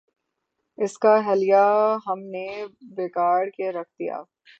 اس کا حلیہ ہم نے بگاڑ کے رکھ دیا۔